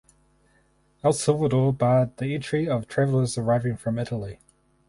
El Salvador barred the entry of travellers arriving from Italy.